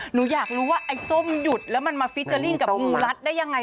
หนูอยากรู้ว่าไอ้ส้มหยุดแล้วมันมาฟิเจอร์ลิ่งกับงูรัดได้ยังไง